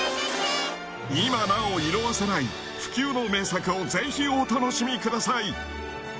今なお、色あせない不朽の名作をぜひお楽しみください。